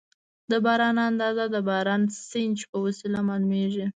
د باران اندازه د بارانسنج په وسیله معلومېږي.